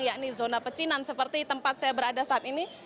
yakni zona pecinan seperti tempat saya berada saat ini